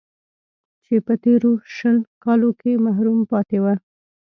چې په تېرو شل کالو کې محروم پاتې و